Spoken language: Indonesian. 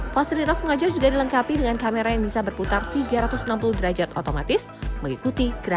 fasilitas pengajar juga dilengkapi dengan kamera yang bisa berputar tiga ratus enam puluh derajat otomatis mengikuti gerakan